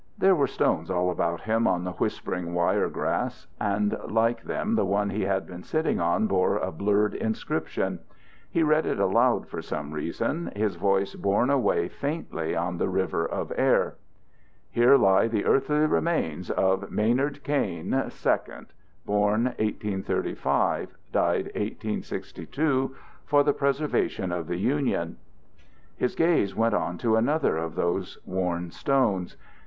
There were stones all about him on the whispering wire grass, and like them the one he had been sitting on bore a blurred inscription. He read it aloud, for some reason, his voice borne away faintly on the river of air: Here Lie The Earthly Remains Of MAYNARD KAIN, SECOND Born 1835 Died 1862 For the Preservation of the Union His gaze went on to another of those worn stones.